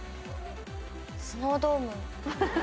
『スノードーム』。